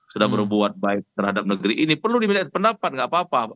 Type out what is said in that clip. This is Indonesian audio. sudah berbuat baik terhadap negeri ini perlu diminta pendapat gak apa apa